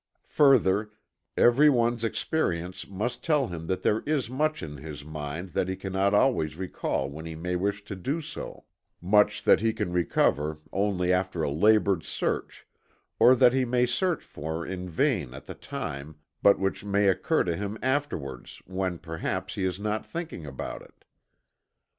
Further, every one's experience must tell him that there is much in his mind that he cannot always recall when he may wish to do so, much that he can recover only after a labored search, or that he may search for in vain at the time, but which may occur to him afterwards when perhaps he is not thinking about it.